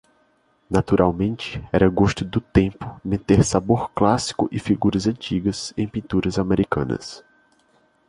Naturalmente era gosto do tempo meter sabor clássico e figuras antigas em pinturas americanas.